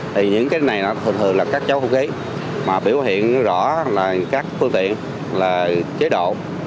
thì những cái này thường là các chấu không khí mà biểu hiện rõ các phương tiện là chế độ